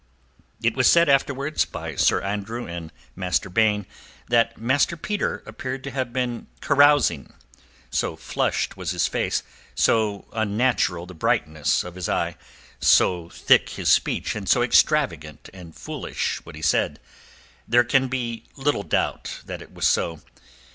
It was said afterwards by Sir Andrew and Master Baine that Master Peter appeared to have been carousing, so flushed was his face, so unnatural the brightness of his eye, so thick his speech and so extravagant and foolish what he said. There can be little doubt that it was so.